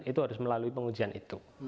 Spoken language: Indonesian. itu harus melalui pengujian itu